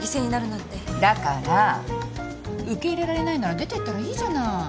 だから受け入れられないなら出ていったらいいじゃない。